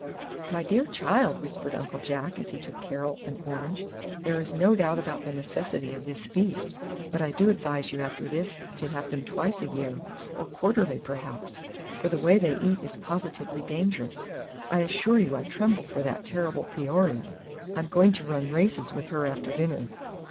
"My dear child," whispered Uncle Jack, as he took Carol an orange, "there is no doubt about the necessity of this feast, but I do advise you after this to have them twice a year, or quarterly, perhaps, for the way they eat is positively dangerous; I assure you I tremble for that terrible Peoria. I'm going to run races with her after dinner."